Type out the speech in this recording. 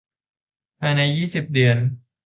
ภายใน ยี่สิบ เดือน